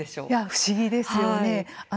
不思議ですよね。